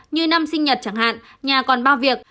như năm sinh nhật chẳng hạn nhà còn ba việc